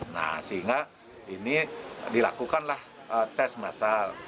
nah sehingga ini dilakukanlah tes masal